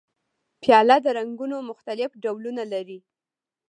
پیاله د رنګونو مختلف ډولونه لري.